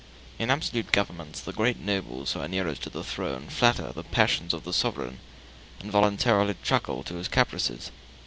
In absolute governments the great nobles who are nearest to the throne flatter the passions of the sovereign, and voluntarily truckle to his caprices.